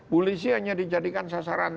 polisi hanya dijadikan sasaran